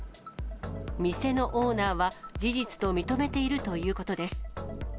店のオーナーは、事実と認めているということです。